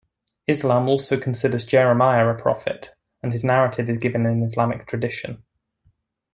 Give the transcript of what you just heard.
Islam also considers Jeremiah a prophet, and his narrative is given in Islamic tradition.